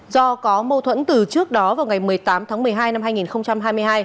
do có mâu thuẫn từ trước đó vào ngày một mươi tám tháng một mươi hai năm hai nghìn hai mươi hai